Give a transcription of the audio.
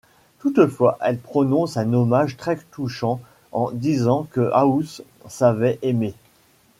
Toutefois, elle prononce un hommage très touchant en disant que House savait aimer.